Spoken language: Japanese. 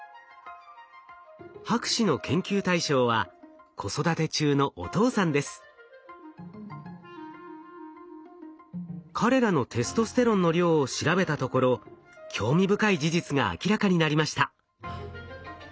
博士の研究対象は彼らのテストステロンの量を調べたところ興味深い事実が明らかになりました。